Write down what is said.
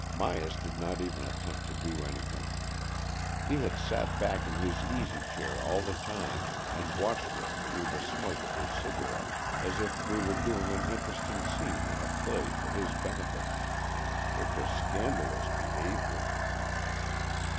Myas did not even attempt to do anything. He had sat back in his easy chair all the time, and watched us through the smoke of his cigarette, as if we were doing an interesting scene in a play for his benefit. It was scandalous behaviour.